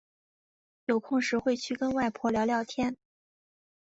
有空时会去跟外婆聊聊天